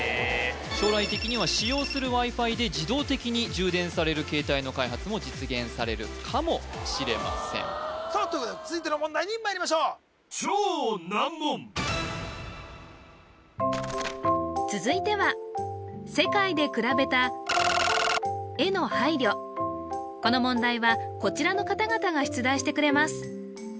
将来的には使用するＷｉ−Ｆｉで自動的に充電される携帯の開発も実現されるかもしれませんということで続いての問題にまいりましょう続いては世界でくらべたこの問題はこちらの方々が出題してくれます